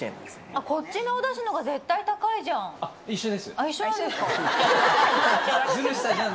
あっ、こっちのおだしのほうが絶対高いじゃん。